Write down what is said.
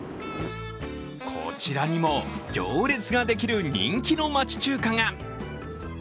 こちらにも行列ができる人気の町中華が。